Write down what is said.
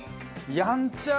やんちゃ！